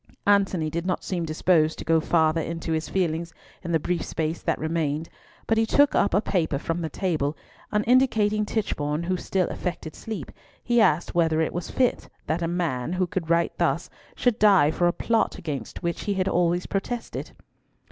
Antony did not seem disposed to go farther into his own feelings in the brief space that remained, but he took up a paper from the table, and indicating Tichborne, who still affected sleep, he asked whether it was fit that a man, who could write thus, should die for a plot against which he had always protested.